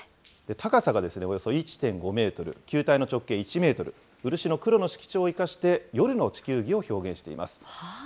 高さがおよそ１．５メートル、球体の直径１メートル、漆の黒の色調を生かして、夜の地球儀を表現しています。